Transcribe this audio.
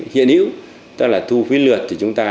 hiện hữu tức là thu phí lượt thì chúng ta